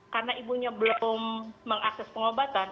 karena ibunya belum mengakses pengobatan